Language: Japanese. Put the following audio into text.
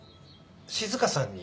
静香さんに？